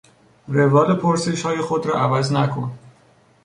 روال پرسشهای خود را عوض نکن.